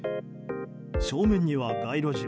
正面には街路樹。